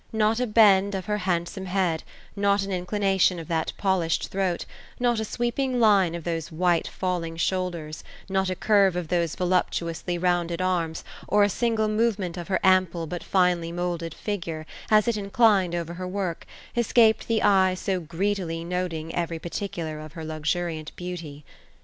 Not a bend of her handsome head, not an inclination of that polished throat, not a sweeping line of those white falling shoulders, not a curve of those voluptuously rounded arms, or a single movement of her ample but finely moulded figure, as it inclined over her work, escaped the eye so greedily noting every particular of her luxuriant beauty.